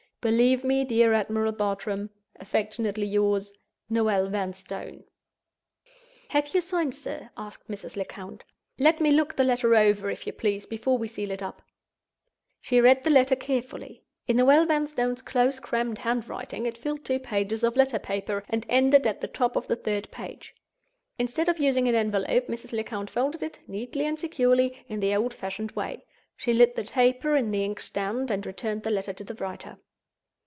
"Believe me, dear Admiral Bartram, "Affectionately yours, "NOEL VANSTONE." "Have you signed, sir?" asked Mrs. Lecount. "Let me look the letter over, if you please, before we seal it up." She read the letter carefully. In Noel Vanstone's close, cramped handwriting, it filled two pages of letter paper, and ended at the top of the third page. Instead of using an envelope, Mrs. Lecount folded it, neatly and securely, in the old fashioned way. She lit the taper in the ink stand, and returned the letter to the writer.